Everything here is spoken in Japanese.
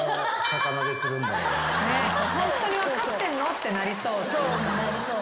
ホントに分かってんの？ってなりそうというか。